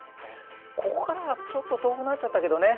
ここからはちょっと遠くなっちゃったけどね。